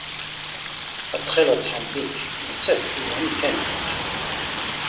Ad tɣilleḍ tḥemmel-ik, nettat tewhem kan deg-k.